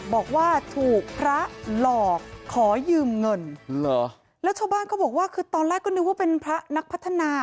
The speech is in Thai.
บอกว่าถูกพระหลอกขอยืมเงินแล้วชาวบ้านเขาบอกว่าคือตอนแรกก็นึกว่าเป็นพระนักพัฒนา